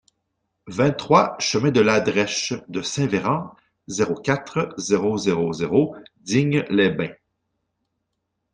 vingt-trois chemin de L'Adrech de Saint-Véran, zéro quatre, zéro zéro zéro Digne-les-Bains